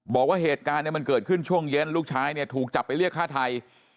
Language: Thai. บอกว่าเหตุการณ์มันเกิดขึ้นช่วงเย็นลูกชายเนี่ยถูกจับไปเรียกฆ่าไทย